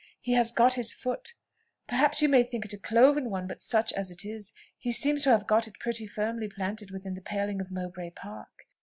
He has got his foot perhaps you may think it a cloven one, but, such as it is, he seems to have got it pretty firmly planted within the paling of Mowbray Park.